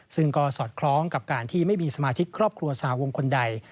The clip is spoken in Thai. ซึ่งก็สอดคล้องกับการที่ไม่มีสมาชิกครอบครัวสหวงคนใด